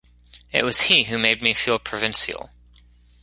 It was he who made me feel provincial.